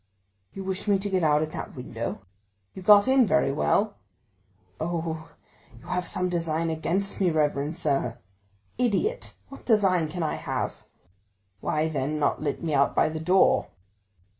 "You wish me to get out at that window?" "You got in very well." "Oh, you have some design against me, reverend sir." "Idiot! what design can I have?" "Why, then, not let me out by the door?"